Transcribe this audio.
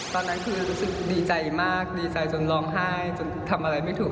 ตอนนั้นคือรู้สึกดีใจมากดีใจจนร้องไห้จนทำอะไรไม่ถูก